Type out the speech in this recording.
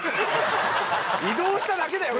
移動しただけだよ